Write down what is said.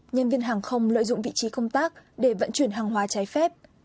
nhân viên hàng không lợi dụng vị trí công tác để vận chuyển hàng hóa trái phép